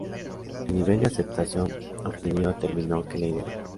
El nivel de aceptación obtenido determinó que la idea continuara.